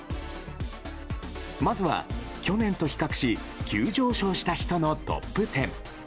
まずは去年と比較し急上昇した人のトップ１０。